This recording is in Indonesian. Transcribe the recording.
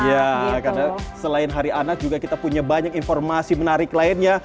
ya karena selain hari anak juga kita punya banyak informasi menarik lainnya